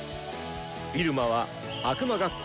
入間は悪魔学校